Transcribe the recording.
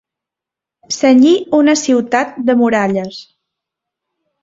Cenyir una ciutat de muralles.